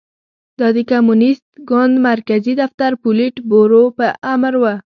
دا د کمونېست ګوند مرکزي دفتر پولیټ بورو په امر و